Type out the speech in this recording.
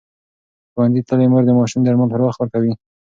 ښوونځې تللې مور د ماشوم درمل پر وخت ورکوي.